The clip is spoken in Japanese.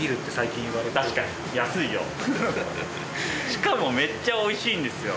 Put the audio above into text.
しかもめっちゃおいしいんですよ。